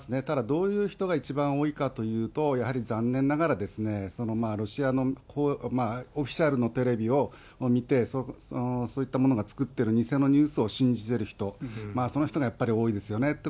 ただ、どういう人が一番多いかというと、やはり残念ながらですね、ロシアのオフィシャルのテレビを見て、そういったものが作ってる偽のニュースを信じてる人、その人がやっぱり多いですよね。